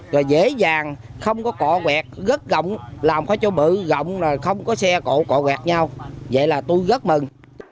rồi dễ dàng không có cọ quẹt rất rộng làm có chỗ bự rộng không có xe cổ cọ quẹt nhau vậy là tôi rất mừng